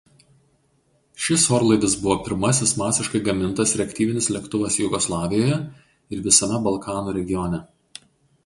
Šis orlaivis buvo pirmasis masiškai gamintas reaktyvinis lėktuvas Jugoslavijoje ir visame Balkanų regione.